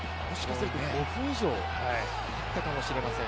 ５分以上あったかもしれません。